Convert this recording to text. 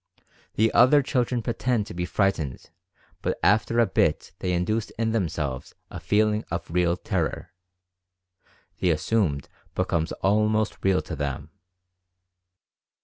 The other children pretend to be frightened, but after a bit they induce in themselves a feeling of real terror — the assumed becomes almost real to them.